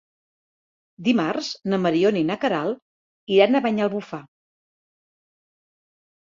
Dimarts na Mariona i na Queralt iran a Banyalbufar.